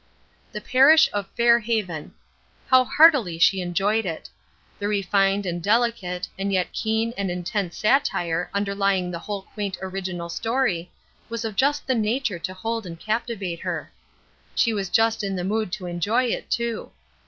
"The Parish of Fair Haven." How heartily she enjoyed it. The refined and delicate, and yet keen and intense satire underlying the whole quaint original story, was of just the nature to hold and captivate her. She was just in the mood to enjoy it, too.